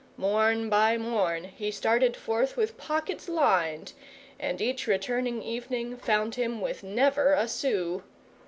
Morn by morn he started forth with pockets lined; and each returning evening found him with never a sou.